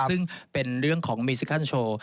ซึ่งเป็นเรื่องของมิซิคัลโชว์